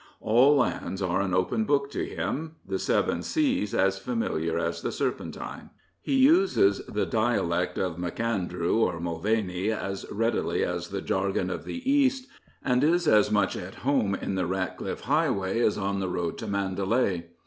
All lands are an open book to him ; the Seven Seas as familiar as the Serpentine. He uses the dia lect of M 'Andrew or Mulvaney as readily as the jargon of the East, and is as much at home in the Ratcliff highway as on the road to Mandalay.